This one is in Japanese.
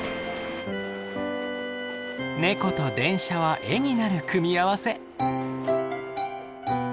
ネコと電車は絵になる組み合わせ。